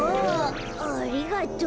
ありがとう。